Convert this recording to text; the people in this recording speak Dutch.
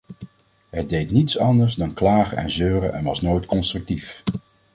Het deed niets anders dan klagen en zeuren en was nooit constructief.